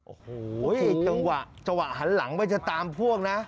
โอ้โหจังหวะจังหวะหันหลังไปจะตามพวกนะ